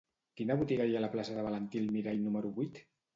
Quina botiga hi ha a la plaça de Valentí Almirall número vuit?